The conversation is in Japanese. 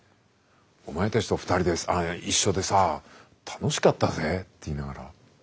お前たちと２人と一緒でさ楽しかったぜ」って言いながら。